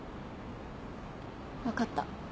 分かった。